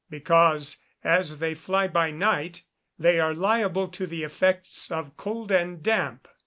_ Because, as they fly by night, they are liable to the effects of cold and damp.